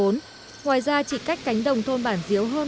ngoài ra chỉ cách cánh đồng thôn bản diếu hơn